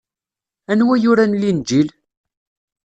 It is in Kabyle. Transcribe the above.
Anwa yuran Linǧil?